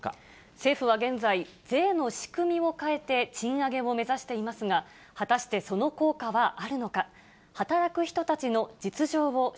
政府は現在、税の仕組みを変えて賃上げを目指していますが、果たしてその効果はあるのか。